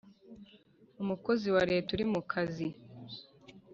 umukozi wa leta uri mu kazi